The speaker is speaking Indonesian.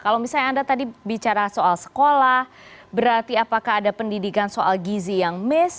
kalau misalnya anda tadi bicara soal sekolah berarti apakah ada pendidikan soal gizi yang miss